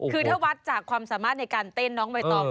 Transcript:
คือถ้าวัดจากความสามารถในการเต้นน้องใบตอง